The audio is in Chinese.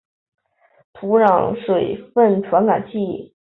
土壤水分传感器。